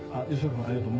君ありがとう。